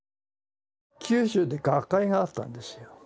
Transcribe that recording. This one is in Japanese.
九州で学会があったんですよ。